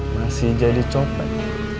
masih jadi copek